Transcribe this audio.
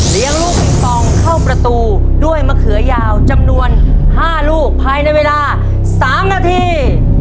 ลูกปิงปองเข้าประตูด้วยมะเขือยาวจำนวน๕ลูกภายในเวลา๓นาที